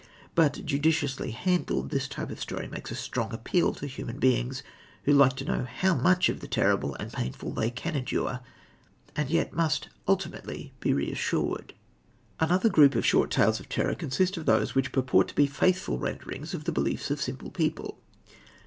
But, judiciously handled, this type of story makes a strong appeal to human beings who like to know how much of the terrible and painful they can endure, and who yet must ultimately be reassured. Another group of short tales of terror consists of those which purport to be faithful renderings of the beliefs of simple people.